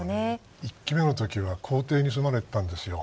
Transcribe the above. １期目の時は公邸に住まれてたんですよ。